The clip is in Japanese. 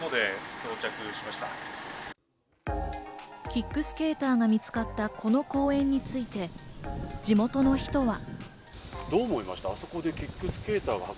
キックスケーターが見つかったこの公園について、地元の人は。